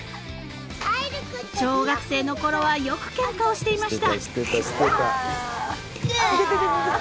［小学生のころはよくケンカをしていました］